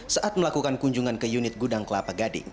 saat melakukan kunjungan ke unit gudang kelapa gading